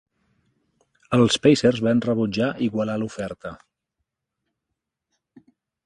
Els Pacers van rebutjar igualar l'oferta.